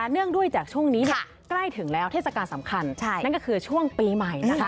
เนื่องด้วยจากช่วงนี้ใกล้ถึงแล้วเทศกาลสำคัญนั่นก็คือช่วงปีใหม่นะคะ